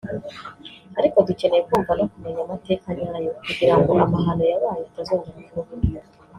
ariko dukeneye kumva no kumenya amateka nyayo kugira ngo amahano yabaye atazongera kuba